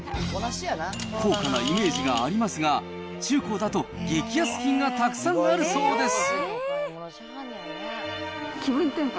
高価なイメージがありますが、中古だと激安品がたくさんあるそうです。